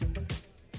lebih baik lagi